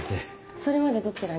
それまでどちらに？